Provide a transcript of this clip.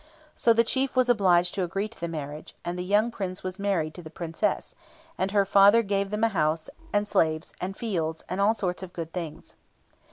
So the chief was obliged to agree to the marriage; and the young Prince was married to the Princess, and her father gave them a house, and slaves, and fields, and all sorts of good things.